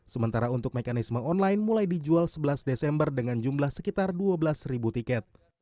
sementara untuk mekanisme online mulai dijual sebelas desember dengan jumlah sekitar dua belas tiket